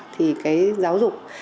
thì cái giáo dục